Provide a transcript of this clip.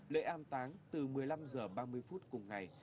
lễ an táng từ một mươi năm h ba mươi phút cùng ngày